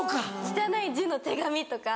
汚い字の手紙とか。